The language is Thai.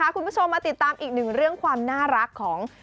คุณผู้ชมมาติดตามอีกหนึ่งเรื่องความน่ารักของ